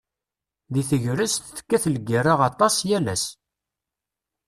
Deg tegrest, tekkat lgerra aṭas yal ass.